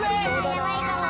やばいかも。